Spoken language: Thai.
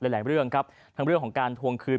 หลายเรื่องครับทั้งเรื่องของการทวงคืน